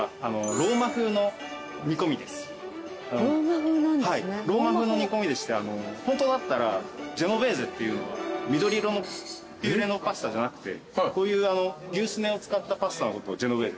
ローマ風の煮込みでしてホントだったらジェノベーゼっていうのは緑色のピューレのパスタじゃなくてこういう牛スネを使ったパスタのことをジェノベーゼ。